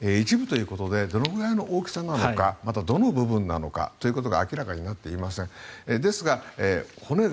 一部ということでどれくらいの大きさなのかまたどの部分なのかというところが明らかになっていません。